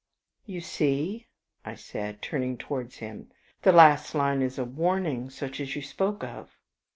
"You see," I said, turning towards him slowly, "the last line is a warning such as you spoke of."